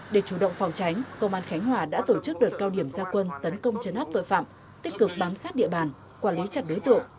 để chủ động phòng tránh công an khánh hòa đã tổ chức đợt cao điểm gia quân tấn công chấn áp tội phạm tích cực bám sát địa bàn quản lý chặt đối tượng